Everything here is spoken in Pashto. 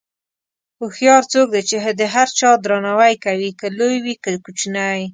هوښیار څوک دی چې د هر چا درناوی کوي، که لوی وي که کوچنی.